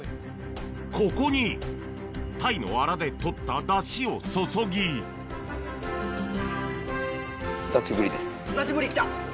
ここにタイのアラで取ったダシを注ぎすだちぶりきた。